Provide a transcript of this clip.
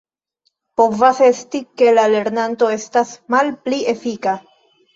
Povas esti, ke la lernado estas malpli efika.